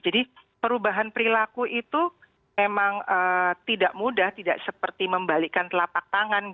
jadi perubahan perilaku itu memang tidak mudah tidak seperti membalikkan telapak tangan